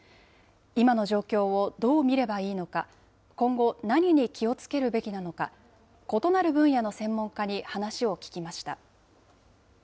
今の状況をどう見ればいいのか、今後、何に気をつけるべきなのか、異なる分野の専門家に話を聞きました。